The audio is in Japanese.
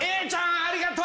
ありがとう！